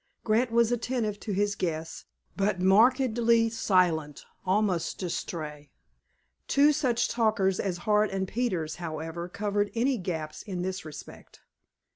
Grant was attentive to his guests, but markedly silent, almost distrait. Two such talkers as Hart and Peters, however, covered any gaps in this respect.